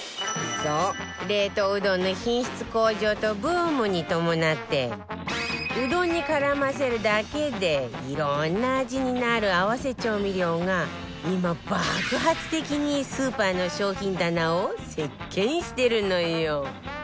そう冷凍うどんの品質向上とブームに伴ってうどんに絡ませるだけでいろんな味になる合わせ調味料が今爆発的にスーパーの商品棚を席巻してるのよ